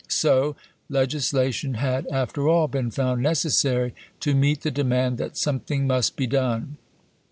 So, legislation had, after all, been found necessary to meet the demand that something must be done.